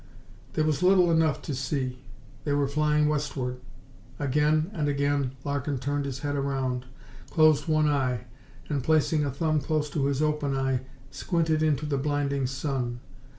There was little enough to see. They were flying westward. Again and again Larkin turned his head around, closed one eye and placing a thumb close to his open eye squinted into the blinding sun.